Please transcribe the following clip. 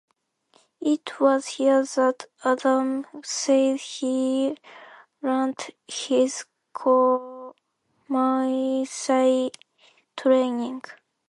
It was here that Adam said he learnt his core Muay Thai training.